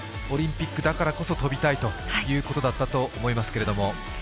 オリンピックだからこそ跳びたいということだったと思いますけれども。